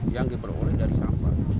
yang diperoleh dari sampah